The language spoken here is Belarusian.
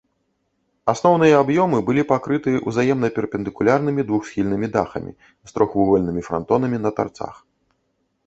Асноўныя аб'ёмы былі пакрыты ўзаемна перпендыкулярнымі двухсхільнымі дахамі з трохвугольнымі франтонамі на тарцах.